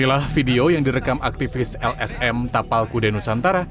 inilah video yang direkam aktivis lsm tapal kude nusantara